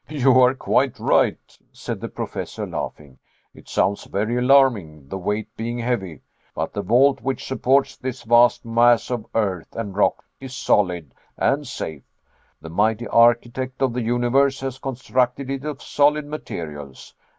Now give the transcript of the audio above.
"You are quite right," said the Professor, laughing; "it sounds very alarming, the weight being heavy but the vault which supports this vast mass of earth and rock is solid and safe; the mighty Architect of the Universe has constructed it of solid materials.